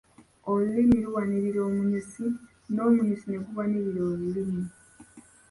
Olulimi luwanirirwa omunyusi n’omunyusi ne guwanirira olulimi.